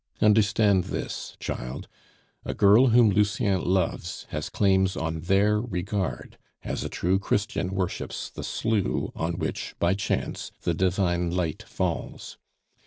Understand this, child: a girl whom Lucien loves has claims on their regard, as a true Christian worships the slough on which, by chance, the divine light falls.